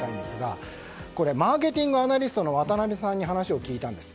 マーケティングアナリストの渡辺さんに話を聞いたんです。